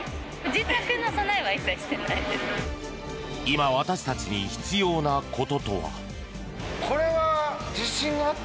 今、私たちに必要なこととは。